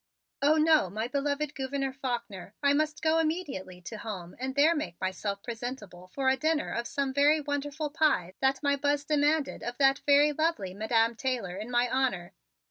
"Oh, no, my beloved Gouverneur Faulkner; I must go immediately to home and there make myself presentable for a dinner of some very wonderful pie that my Buzz demanded of that very lovely Madam Taylor in my honor.